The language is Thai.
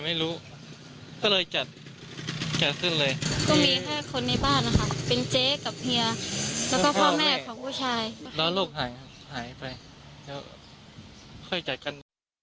แล้วโรคหายไปแล้วค่อยจัดกัน